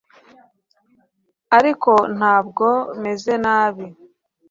ariko ntabwo meze nabi